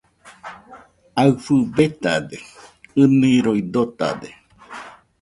Aɨfɨ betade, ɨniroi dotade